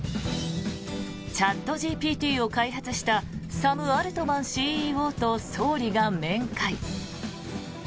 チャットＧＰＴを開発したサム・アルトマンＣＥＯと総理が面会。